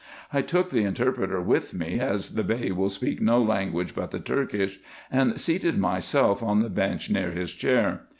I took the interpreter with me, as the Bey will speak no language but the Turkish, and seated myself on the bench near his chair.